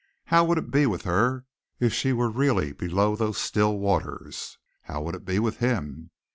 How would it be with her if she were really below those still waters? How would it be with him?